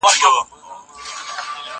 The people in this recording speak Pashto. فایبر د هاضمې لپاره ښه دی.